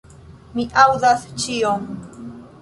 Mi aŭdas ĉion.